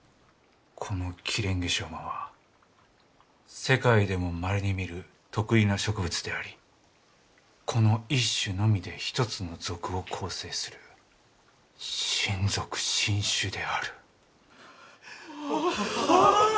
このキレンゲショウマは世界でもまれに見る特異な植物でありこの一種のみで一つの属を構成する新属新種である。